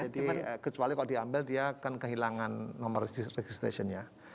jadi kecuali kalau diambil dia akan kehilangan nomor registrationnya